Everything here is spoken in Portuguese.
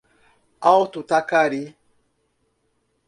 Alto Taquari